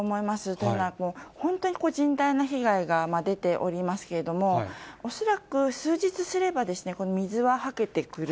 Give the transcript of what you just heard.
というのは、本当に甚大な被害が出ておりますけれども、恐らく数日すれば、水ははけてくる。